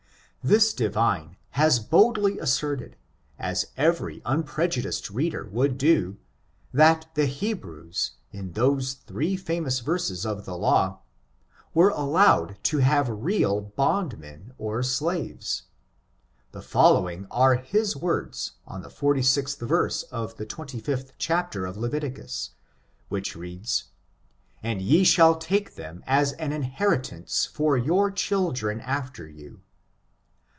This divine has boldly asserted, as every unprejudiced reader would do, that the Hebrews, in those three famous verses of the law, were allowed to have real bond tnen, or slaves. The following are his words on the 46th verse of the 25th chapter of Leviticus, which reads: "And ye shall take them as an inheritance for your children after you."